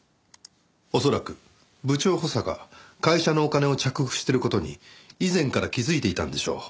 恐らく部長補佐が会社のお金を着服している事に以前から気づいていたんでしょう。